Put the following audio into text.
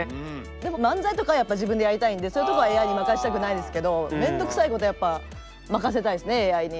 でも漫才とかはやっぱ自分でやりたいんでそういうとこはＡＩに任せたくないですけど面倒くさいことはやっぱ任せたいですねＡＩに。